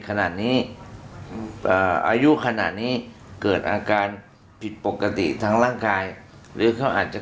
ขนาดนี้อายุขนาดนี้เกิดอาการผิดปกติทั้งร่างกายหรือเขาอาจจะ